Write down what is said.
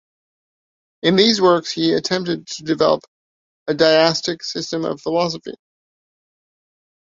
In these works he attempted to develop a Deistic system of philosophy.